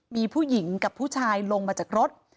มีผู้หญิงกับผู้ชายลงมาจากรถ